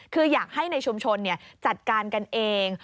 คืออยากให้ในชุมชนจัดการกันเอง